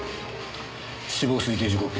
死亡推定時刻は？